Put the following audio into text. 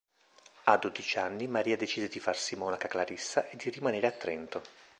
A dodici anni Maria decise di farsi monaca clarissa e di rimanere a Trento.